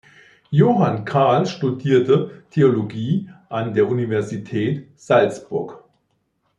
Johann Karl studierte Theologie an der Universität Salzburg.